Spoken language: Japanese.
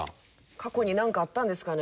過去になんかあったんですかね